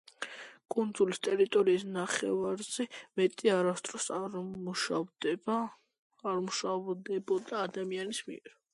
კუნძულის ტერიტორიის ნახევარზე მეტი არასდროს არ მუშავდებოდა ადამიანის მიერ.